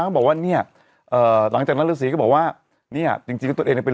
บอกว่าเนี่ยเอ่อหลังจากนั้นฤษีก็บอกว่าเนี่ยจริงจริงแล้วตัวเองเนี่ยเป็น